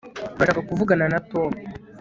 turashaka kuvugana na tom